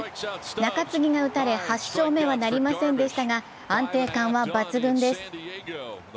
中継ぎが打たれ８勝目はなりませんでしたが、安定感は抜群です。